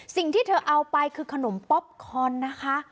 สิ่งที่เธอเอาไปคือขนมป๊อปคอนนะคะ